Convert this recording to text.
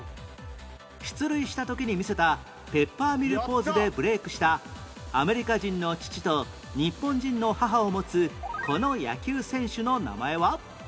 出塁した時に見せたペッパーミル・ポーズでブレークしたアメリカ人の父と日本人の母を持つこの野球選手の名前は？